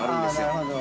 ◆なるほど。